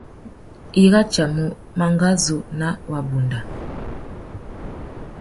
I ratiamú mangazú nà wabunda.